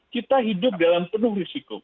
kita hidup dalam penuh risiko